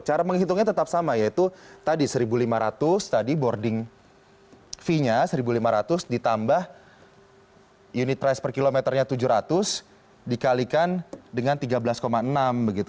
cara menghitungnya tetap sama yaitu tadi rp satu lima ratus tadi boarding fee nya rp satu lima ratus ditambah unit price per kilometernya rp tujuh ratus dikalikan dengan rp tiga belas enam